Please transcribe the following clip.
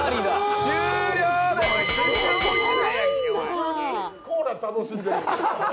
普通にコーラ、楽しんでる。